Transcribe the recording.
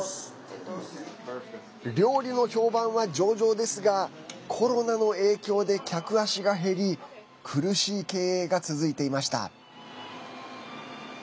料理の評判は上々ですがコロナの影響で客足が減り苦しい経営が続いていました。